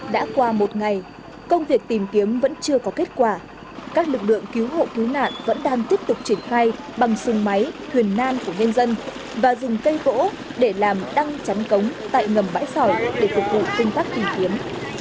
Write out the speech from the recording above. đã qua một ngày công việc tìm kiếm vẫn chưa có kết quả các lực lượng cứu hộ cứu nạn vẫn đang tiếp tục triển khai bằng sừng máy thuyền nan của nhân dân và dùng cây gỗ để làm đăng chắn cống tại ngầm bãi sỏi để phục vụ công tác tìm kiếm